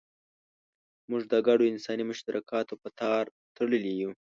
موږ د ګډو انساني مشترکاتو په تار تړلي یو.